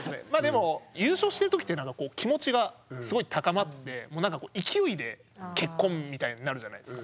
優勝してる時ってなんかこう気持ちがすごい高まってもうなんか勢いで結婚みたいになるじゃないですか。